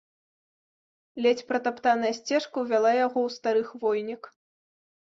Ледзь пратаптаная сцежка ўвяла яго ў стары хвойнік.